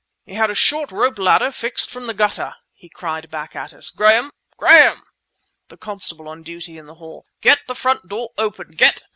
"He had a short rope ladder fixed from the gutter!" he cried back at us. "Graham! Graham!" (the constable on duty in the hall)—"Get the front door open! Get..."